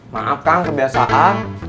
maaf kang kebiasaan